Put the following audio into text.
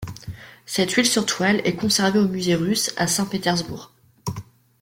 Cette huile sur toile est conservée au musée Russe, à Saint-Pétersbourg.